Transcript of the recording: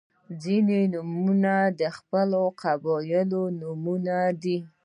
• ځینې نومونه د قبیلو نومونه دي.